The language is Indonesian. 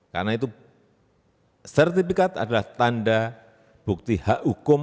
karena itu sertifikat adalah tanda bukti hak hukum